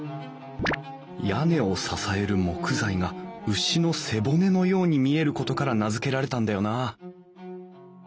屋根を支える木材が牛の背骨のように見えることから名付けられたんだよなあ